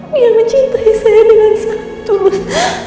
dia mencintai saya dengan sangat tulus